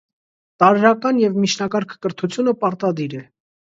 Տարրական և միջնակարգ կրթությունը պարտադիր է։